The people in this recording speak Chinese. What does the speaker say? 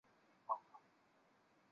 明俊是傅玉之子。